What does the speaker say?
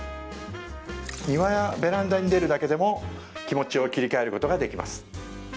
庭やベランダに出るだけでも気持ちを切り替えることができます